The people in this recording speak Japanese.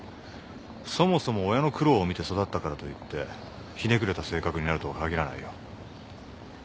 そもそも親の苦労を見て育ったからと言ってひねくれた性格になるとは限らないよ。